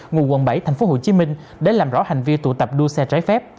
ngụ quận bảy tp hcm để làm rõ hành vi tụ tập đua xe trái phép